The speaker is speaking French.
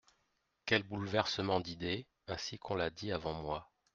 Quel bouleversement d'idées !» ainsi qu'on l'a dit avant moi.